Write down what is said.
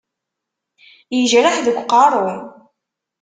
Yejreḥ deg uqerru.